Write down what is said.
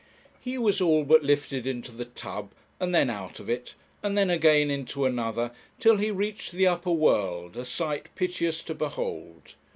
He was all but lifted into the tub, and then out of it, and then again into another, till he reached the upper world, a sight piteous to behold.